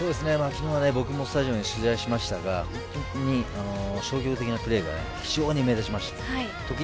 昨日は僕もスタジアムで取材しましたが本当に衝撃的なプレーが非常に目立ちました。